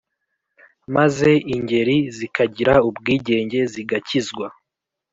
Maze ingeri zikagira ubwigenge zigakizwa